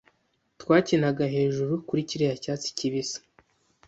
Twakinaga hejuru kuri kiriya cyatsi kibisi.